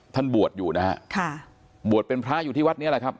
ท่านบวชอยู่นะฮะค่ะบวชเป็นพระอยู่ที่วัดนี้แหละครับ